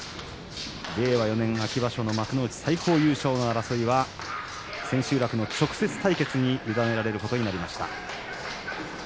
令和４年秋場所の幕内最高優勝の争いは千秋楽の直接対決に委ねられることになりました。